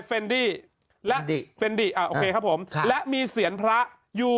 แฟนดี้และแฟนดี้อ่าโอเคครับผมค่ะและมีเสียญพระอยู่